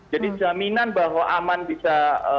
jadi jaminan bahwa aman bisa